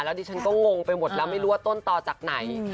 ดิฉันก็งงไปหมดแล้วไม่รู้ว่าต้นต่อจากไหน